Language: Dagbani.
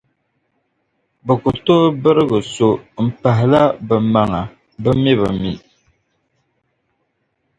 Bɛ ku tooi birigi so m-pahila bɛ maŋa, bɛ mi bi mi.